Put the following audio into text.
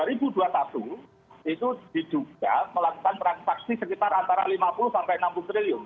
itu diduga melakukan transaksi sekitar antara lima puluh sampai enam puluh triliun